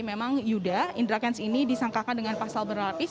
memang yuda indra kents ini disangkakan dengan pasal berlapis